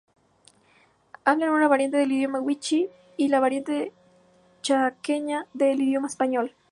Hablan una variante del idioma wichí y la variante chaqueña del idioma español.